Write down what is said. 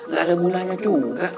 gak ada gunanya juga